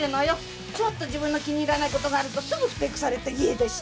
ちょっと自分の気に入らないことがあるとすぐふてくされて家出して。